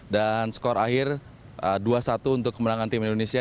dan skor akhir dua satu untuk kemenangan tim indonesia